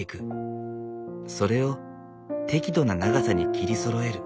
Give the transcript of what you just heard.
それを適度な長さに切りそろえる。